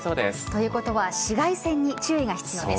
ということは、紫外線に注意が必要です。